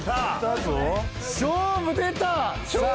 勝負出た！